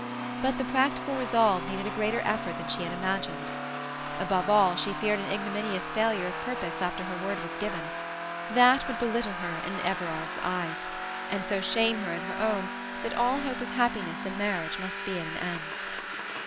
But the practical resolve needed a greater effort than she had imagined. Above all, she feared an ignominious failure of purpose after her word was given; that would belittle her in Everard's eyes, and so shame her in her own that all hope of happiness in marriage must be at an end.